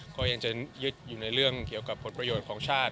ก็ยังจะยึดอยู่ในเรื่องเกี่ยวกับผลประโยชน์ของชาติ